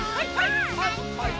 はいはい！